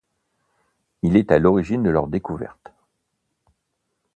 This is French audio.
Il est à l’origine de leur découverte.